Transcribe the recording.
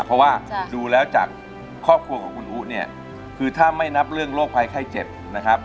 เพราะว่าดูแล้วจากครอบครัวของคุณอุ๊เนี่ยคือถ้าไม่นับเรื่องโรคภัยไข้เจ็บนะครับ